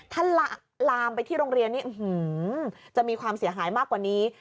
ถ้าลามไปที่โรงเรียนนี้จะมีความเสียหายมากกว่านี้